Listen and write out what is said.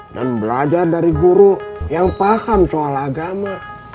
dan belajar dari guru yang paham soal agama